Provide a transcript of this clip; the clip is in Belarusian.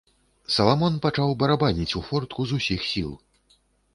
Саламон пачаў барабаніць у фортку з усіх сіл.